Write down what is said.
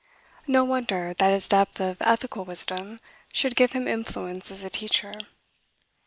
No wonder that his depth of ethical wisdom should give him influence as a teacher.